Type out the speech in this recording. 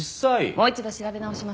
もう一度調べ直します。